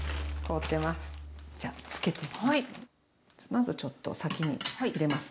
まずちょっと先に入れますね。